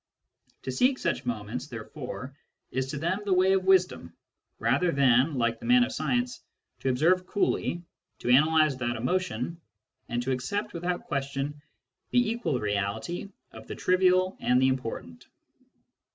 To seek such moments, therefore, is to them the way of wisdom, rather than, like the man of science, to observe coolly, to analyse without emotion, and to accept without question the equal reality of the trivial and the important.